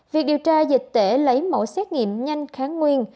việc điều tra dịch tễ lấy mẫu xét nghiệm nhanh kháng nguyên